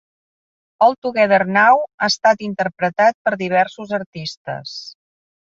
"All Together Now" ha estat interpretat per diversos artistes.